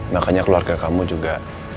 makanya keluarga kamu juga